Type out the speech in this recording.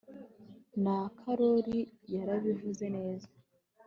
na karori yarabivuze neza